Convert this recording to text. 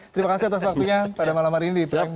terima kasih atas waktunya pada malam hari ini di prime news